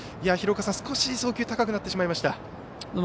廣岡さん、少し送球が高くなってしまいました。